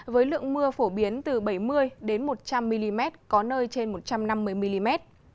với lượng mưa phổ biến từ bảy mươi một trăm linh mm có nơi trên một trăm năm mươi mm